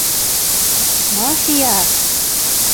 Мафия!